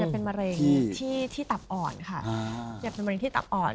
เป็นมะเร็งที่ตับอ่อนค่ะเป็นมะเร็งที่ตับอ่อน